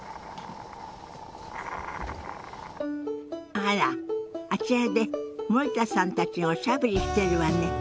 あらあちらで森田さんたちがおしゃべりしてるわね。